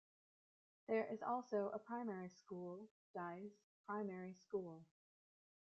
There is also a primary school, Dyce Primary School.